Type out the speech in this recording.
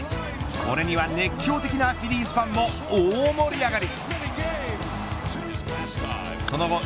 これには熱狂的なフィリーズファンも大盛り上がり。